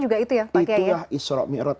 juga itu ya pak kiyah